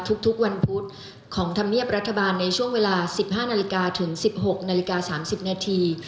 ทุกวันพุธของธรรมเนียบรัฐบาลในช่วงเวลา๑๕นาฬิกาถึง๑๖นาฬิกา๓๐นาที